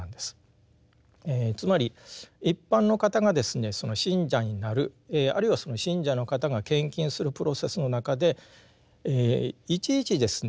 つまり一般の方がですねその信者になるあるいはその信者の方が献金するプロセスの中でいちいちですね